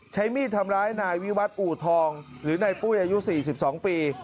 ใช้มีดทำร้ายนายวิวัตรอู่ทองหรือนายปุ้ยอายุ๔๒ปี